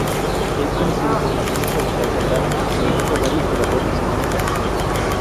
Es conocido por la música vocal sagrada, incluyendo varios oratorios y misas.